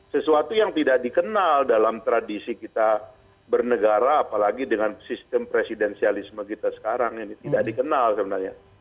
sesuatu yang tidak dikenal dalam tradisi kita bernegara apalagi dengan sistem presidensialisme kita sekarang ini tidak dikenal sebenarnya